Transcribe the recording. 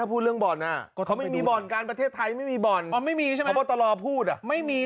ถ้าพูดเรื่องบ่อนน่ะเหมือนจะมีบ่อนน่ะเขาไม่มีบ่อนกาลประเทศไทยไม่มีบ่อน